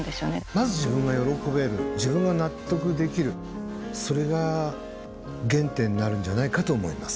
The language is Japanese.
まず自分が喜べる自分が納得できるそれが原点になるんじゃないかと思います。